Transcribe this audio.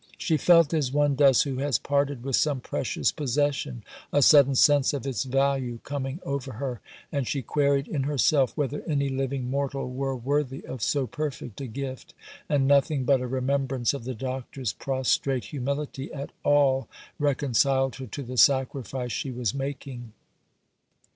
She felt as one does who has parted with some precious possession, a sudden sense of its value coming over her; and she queried in herself whether any living mortal were worthy of so perfect a gift; and nothing but a remembrance of the Doctor's prostrate humility at all reconciled her to the sacrifice she was making.